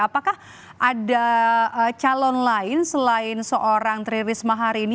apakah ada calon lain selain seorang tri risma hari ini